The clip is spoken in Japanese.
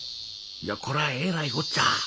いやこらえらいこっちゃ！